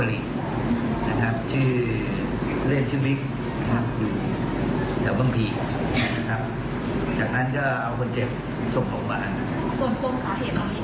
แล้วก็อาจจะมีส่วนผัวพันธ์เรื่องสิทธิกฎหมายครับอ่า